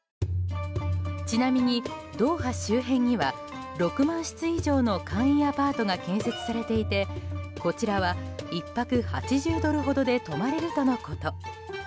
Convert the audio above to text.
ちなみにドーハ周辺には６万室以上の簡易アパートが建設されていてこちらは１泊８０ドルほどで泊まれるとのこと。